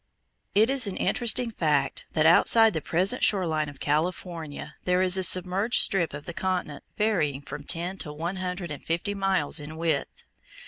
It is an interesting fact that outside the present shore line of California there is a submerged strip of the continent varying from ten to one hundred and fifty miles in width.